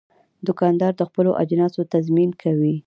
دوکاندار د خپلو اجناسو تضمین کوي.